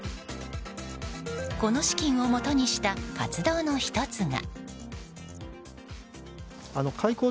この資金をもとにした活動の１つが。